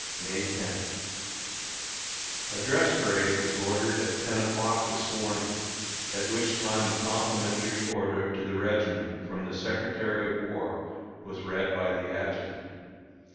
May 10. A dress parade was ordered at ten o'clock this morning, at which time a complimentary order to the regiment from the Secretary of War was read by the adjutant.